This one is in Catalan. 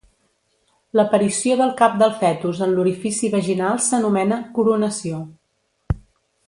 L'aparició del cap del fetus en l'orifici vaginal s'anomena "coronació".